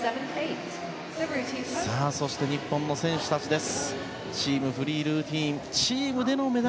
そして日本の選手たちです。